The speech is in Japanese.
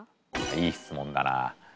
いい質問だな。